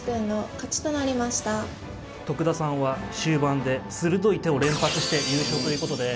徳田さんは終盤で鋭い手を連発して優勝ということで。